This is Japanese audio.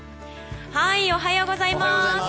おはようございます。